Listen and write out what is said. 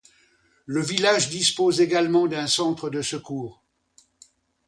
Le village dispose également d'un centre de secours.